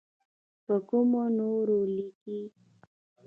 په کومو تورو لیکي؟